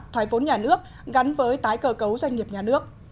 thoái vốn nhà nước gắn với tái cờ cấu doanh nghiệp nhà nước